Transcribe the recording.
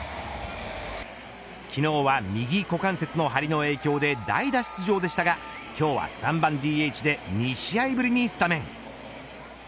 昨日は右股関節の張りの影響で代打出場でしたが今日は３番ＤＨで２試合ぶりにスタメン。